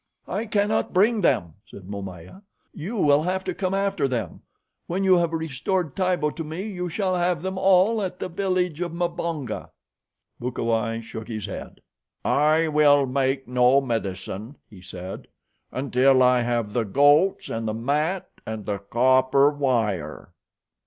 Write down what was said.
"I cannot bring them," said Momaya. "You will have to come after them. When you have restored Tibo to me, you shall have them all at the village of Mbonga." Bukawai shook his head. "I will make no medicine," he said, "until I have the goats and the mat and the copper wire."